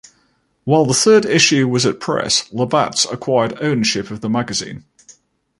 While the third issue was at press, Labatt's acquired ownership of the magazine.